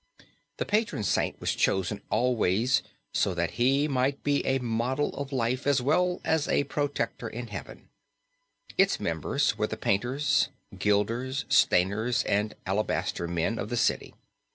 The patron saint was chosen always so that he might be a model of life as well as a protector in Heaven. Its members were the painters, guilders, stainers, and alabaster men of the city.